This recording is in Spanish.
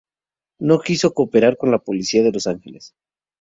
No quiso cooperar con la policía de Los Ángeles.